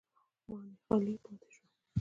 ماڼۍ خالي پاتې شوې